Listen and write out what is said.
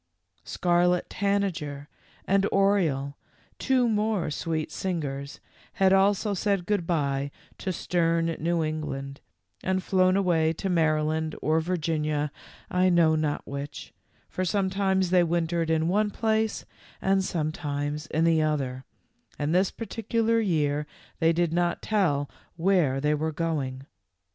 Scarlet Tanager and Oriole, two more sweet singers, had also said good by to stern New England and flown away to Maryland or Vir ginia, I know not which, for sometimes they wintered in one place and sometimes in the other, and this particular year they did not tell where they were going.